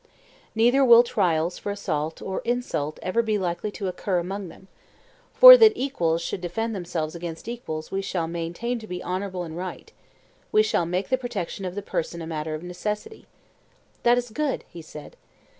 Neither will trials for assault or insult ever be likely to occur among them. For that equals should defend themselves against equals we shall maintain to be honourable and right; we shall make the protection of the person a matter of necessity. That is good, he said.